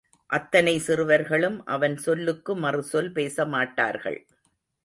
அத்தனை சிறுவர்களும் அவன் சொல்லுக்கு மறு சொல் பேசமாட்டார்கள்.